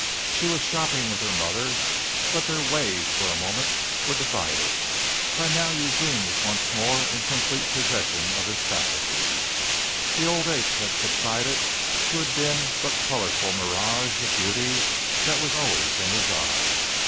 She was shopping with her mother, but their ways, for a moment, were divided. By now Eugene was once more in complete possession of his faculties. The old ache had subsided to a dim but colorful mirage of beauty that was always in his eye.